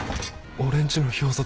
俺んちの表札